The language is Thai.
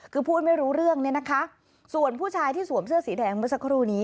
คือพูดไม่รู้เรื่องเนี่ยนะคะส่วนผู้ชายที่สวมเสื้อสีแดงเมื่อสักครู่นี้